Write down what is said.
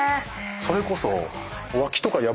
それこそ。